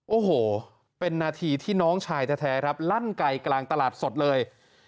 โอ้โหเป็นนาทีที่น้องชายแท้ครับลั่นไกลกลางตลาดสดเลย